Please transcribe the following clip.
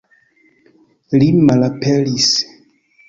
Li malaperis.